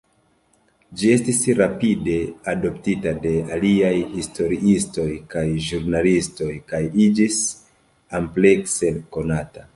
Ĝi estis rapide adoptita de aliaj historiistoj kaj ĵurnalistoj kaj iĝis amplekse konata.